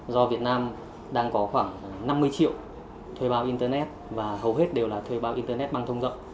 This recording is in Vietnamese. do việt nam đang có khoảng năm mươi triệu thuê bao internet và hầu hết đều là thuê bao internet băng thông rộng